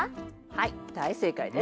はい大正解です。